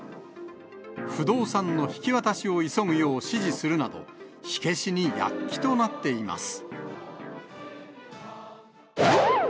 不動産の引き渡しを急ぐよう指示するなど、火消しに躍起となっています。